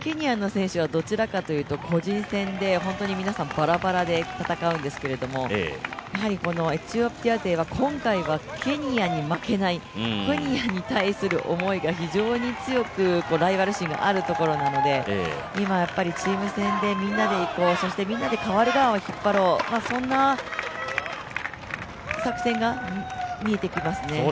ケニアの選手はどちらかというと個人戦で本当に皆さんバラバラで戦うんですけれどもエチオピア勢は今回はケニアに負けない、ケニアに対する思いが非常に強く、ライバル心があるところなので、チーム戦でみんなでいこう、代わる代わる引っ張ろう、そんな作戦が見えてきますね。